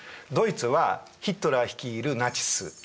ドイツはヒトラー率いるナチス